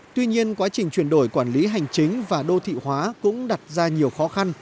tuy nhiên quá trình chuyển đổi quản lý hành chính và đô thị hóa cũng đặt ra nhiều khó khăn